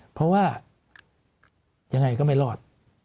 เพราะว่ายังไงก็ไม่รอด